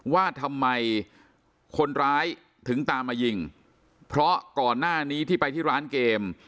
ว่าทำไมคนร้ายถึงตามมายิงเพราะก่อนหน้านี้ที่ไปที่ร้านเกม